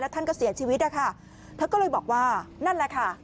ท่านก็เสียชีวิตนะคะเธอก็เลยบอกว่านั่นแหละค่ะ